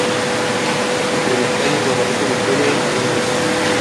Entre las calles Guadalupe Victoria y Mariano Arista.